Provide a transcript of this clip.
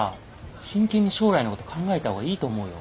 真剣に将来のこと考えたほうがいいと思うよ。